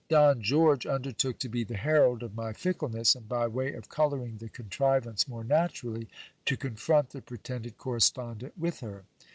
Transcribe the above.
Don George undertook to be the herald of my fickleness, and by way of colouring the contrivance more naturally, to confront the pretended correspondent with her.